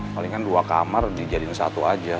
palingan dua kamar dijadiin satu aja